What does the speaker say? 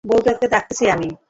কাউবয়টাকে ডাকছি আমি।